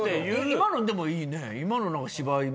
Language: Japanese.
今のでもいいね。